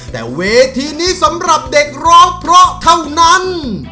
แต่เวทีนี้สำหรับเด็กร้องเพราะเท่านั้น